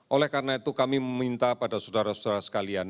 oleh karena itu kami meminta pada saudara saudara sekalian